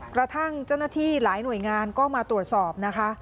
กระทั่งเจ้าหน้าที่หลายหน่วยงานก็มาตรวจสอบนะคะ